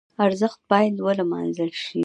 ارزښت باید ولمانځل شي.